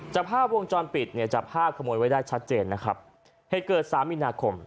จับห้าวงจรปิดเนี่ยจับห้าขโมยไว้ได้ชัดเจนนะครับให้เกิดสามอีนาคม